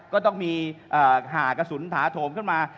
ก็ต้องมีหากระสุนถาโถมขึ้นมา